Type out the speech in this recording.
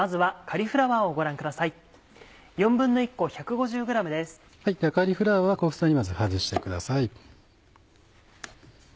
カリフラワーは小房にまず外してください。